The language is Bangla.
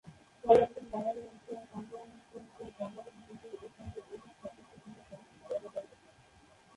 ফলে একজন বাঙালি মুসলিমের পাঞ্জাবি মুসলিমের চেয়েও বাঙালি হিন্দু সঙ্গে অধিক সাদৃশ্যপূর্ণ সংস্কৃতি দেখা যাবে।